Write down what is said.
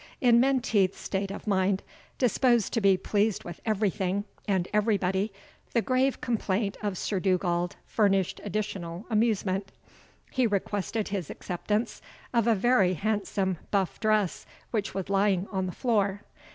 In Menteith's state of mind, disposed to be pleased with everything, and everybody, the grave complaint of Sir Dugald furnished additional amusement. He requested his acceptance of a very handsome buff dress which was lying on the floor.